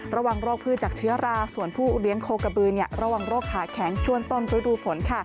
ระวังโรคพืชจากเชื้อราส่วนผู้เลี้ยงโคกระบือระวังโรคขาแข็งช่วงต้นฤดูฝน